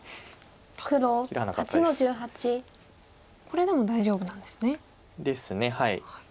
これでも大丈夫なんですね。ですね。